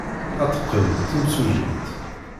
Ad teqqel d timsujjit.